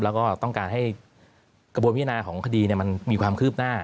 แล้วก็ต้องการให้กระบวนพิจารณาของคดีมันมีความคืบหน้า